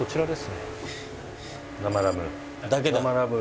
生ラム。